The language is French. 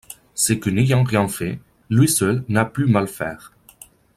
C’est que n’ayant rien fait, lui seul n’a pu mal faire. ;